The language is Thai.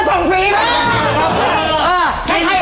ส่งฟรีเลย